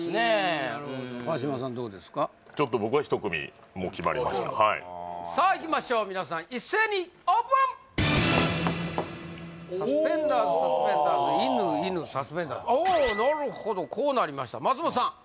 ちょっと僕は１組もう決まりましたさあいきましょう皆さん一斉にオープンなるほどこうなりました松本さん